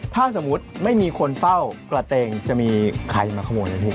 ถ้าสมมุติไม่มีคนเฝ้ากระเตงจะมีใครมาขโมยนะพี่